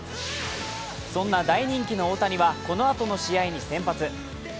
そんな大人気の大谷はこのあとの試合に先発。